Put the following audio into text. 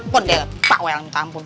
pondek pak woy alamakampun